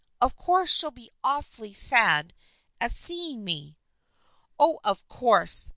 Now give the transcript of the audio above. Of course she'll be awfully sad at seeing me." " Oh, of course